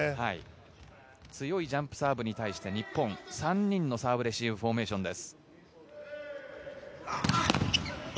強いジャンプサーブに対して日本、３人のサーブレシーブフォーメーションです。